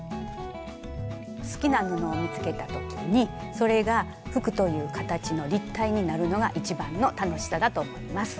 好きな布を見つけた時にそれが服という形の立体になるのが一番の楽しさだと思います。